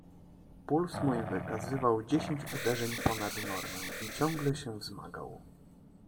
"Puls mój wykazywał dziesięć uderzeń ponad normę i ciągle się wzmagał."